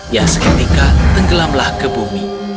ya seketika tenggelamlah ke bumi